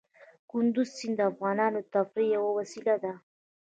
کندز سیند د افغانانو د تفریح یوه وسیله ده.